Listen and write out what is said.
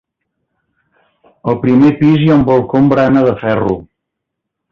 El primer pis hi ha un balcó amb barana de ferro.